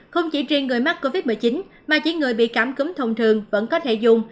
không chỉ riêng người mắc covid một mươi chín mà chỉ người bị cảm cúm thông thường vẫn có thể dùng